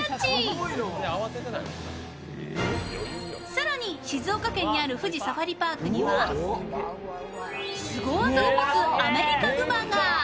更に静岡県にある富士サファリパークにはスゴ技を持つアメリカグマが。